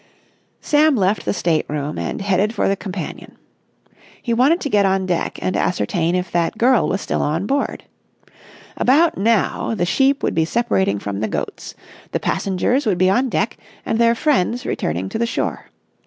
Sam left the state room and headed for the companion. He wanted to get on deck and ascertain if that girl was still on board. About now, the sheep would be separating from the goats; the passengers would be on deck and their friends returning to the shore.